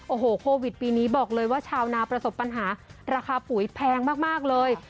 โอ้โหโควิดปีนี้บอกเลยว่าชาวนาประสบปัญหาราคาปุ๋ยแพงมากเลย